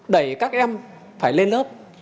đẩy các em phải lên lớp